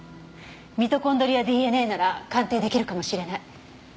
ミトコンドリアＤＮＡなら鑑定出来るかもしれない。